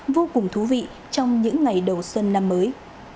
vô cùng thú vị trong những ngày đầu xuân năm mới